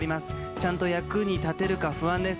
ちゃんと役に立てるか不安です。